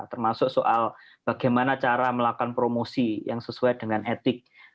termasuk soal bagaimana cara melakukan promosi yang sesuai dengan etik